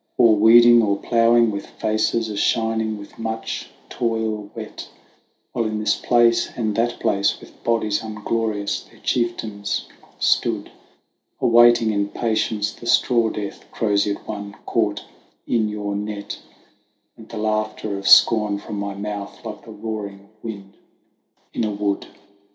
Or weeding or ploughing with faces a shining with much toil wet ; While in this place and that place, with bodies unglorious, their chieftains stood, 142 THE WANDERINGS OF OISIN Awaiting in patience the straw death, croziered one, caught in your net : Went the laughter of scorn from my mouth like the roaring of wind hi a wood.